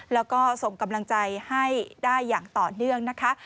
แล้วก็ส่งกำลังใจให้ได้อย่างต่อเนื่องนะคะ